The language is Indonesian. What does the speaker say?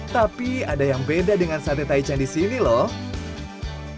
tapi ada yang beda dengan sate taichan di sini loh